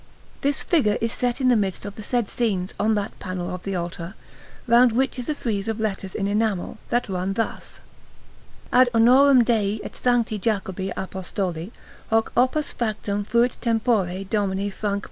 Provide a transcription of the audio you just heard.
This figure is set in the midst of the said scenes on the panel of the altar, round which is a frieze of letters in enamel, that run thus: AD HONOREM DEI ET SANCTI JACOBI APOSTOLI, HOC OPUS FACTUM FUIT TEMPORE DOMINI FRANC.